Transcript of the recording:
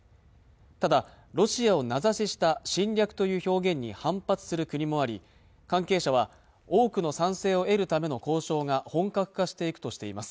ただロシアを名指しした侵略という表現に反発する国もあり関係者は多くの賛成を得るための交渉が本格化していくとしています